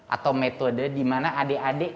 atau metode dimana adik adik